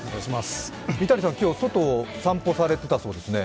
三谷さん、今日、外を散歩されていたそうですね。